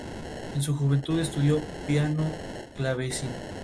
Además, deben abandonar cualquier acto de conducta sexual.